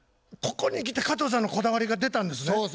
ここにきて加藤さんのこだわりが出たんですね。